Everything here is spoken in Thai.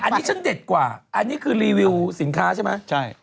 อันนี้ฉันเด็ดกว่าอันนี้คือรีวิวสินค้าใช่ไหมใช่